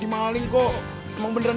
apa yang cucumbers